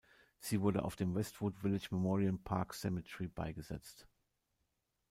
Sie wurde auf dem Westwood Village Memorial Park Cemetery beigesetzt.